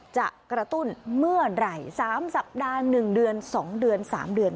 จะกระตุ้นเมื่อไหร่๓สัปดาห์๑เดือน๒เดือน๓เดือน